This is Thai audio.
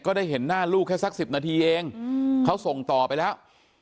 ได้เห็นหน้าลูกแค่สัก๑๐นาทีเองเขาส่งต่อไปแล้ว